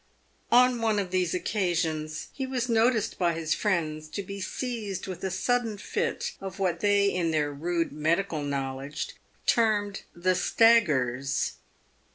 On one of these occasions he was noticed by his friends to be seized with a sudden fit of what they, in their rude medical knowledge, termed the " staggers."